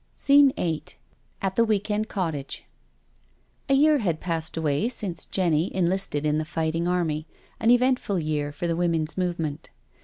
SCENE VIII AT THE WEEK END COTTAGE A YEAR had passed away since Jenny enlisted in the fighting army, an eventful year for the Woman's Move ment.